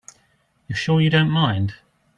You're sure you don't mind?